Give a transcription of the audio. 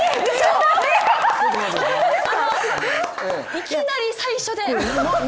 いきなり最初で。